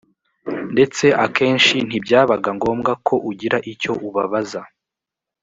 ndetse akenshi ntibyabaga ngombwa ko ugira icyo ubabaza